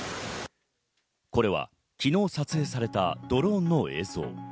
これは昨日撮影された、ドローンの映像。